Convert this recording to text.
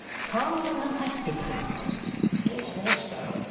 どうしたよ？